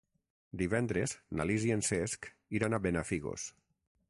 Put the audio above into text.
Divendres na Lis i en Cesc iran a Benafigos.